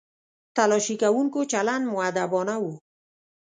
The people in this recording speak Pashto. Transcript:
تلاښي کوونکو چلند مؤدبانه و.